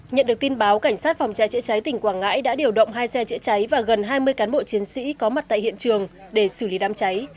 nhận được tin báo cảnh sát phòng cháy chữa cháy tỉnh quảng ngãi đã điều động hai xe chữa cháy và gần hai mươi cán bộ chiến sĩ có mặt tại hiện trường để xử lý đám cháy